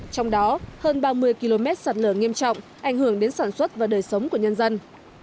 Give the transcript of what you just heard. trong đó hơn ba mươi km sạt lở nghiêm trọng ảnh hưởng đến sản xuất và đời sống của nhân dân